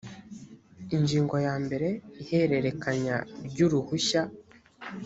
ingingo ya mbere ihererekanya ry uruhushya